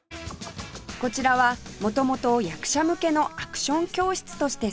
こちらは元々役者向けのアクション教室としてスタート